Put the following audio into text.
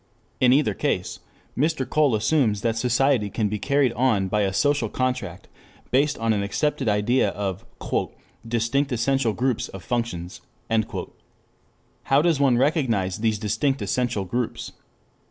In either case, Mr. Cole assumes that society can be carried on by a social contract based on an accepted idea of "distinct essential groups of functions." How does one recognize these distinct essential groups?